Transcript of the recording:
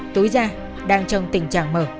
túi da đang trong tình trạng mở